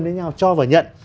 đến nhau cho và nhận